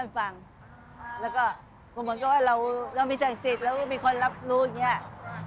ก็สทา